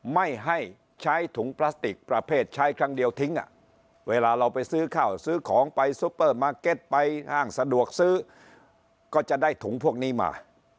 ไม่ให้ใช้ถุงพลาสติกประเภทใช้ครั้งเดียวทิ้งเวลาเราไปซื้อข้าวซื้อของไปซุปเปอร์มาร์เก็ตไปห้างสะดวกซื้อก็จะได้ถุงพวกนี้มา